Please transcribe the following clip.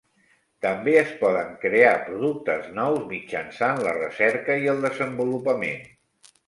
També es poden crear productes nous mitjançant la recerca i el desenvolupament.